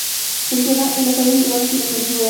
Funcionan en las áreas urbanas y en las zonas rurales.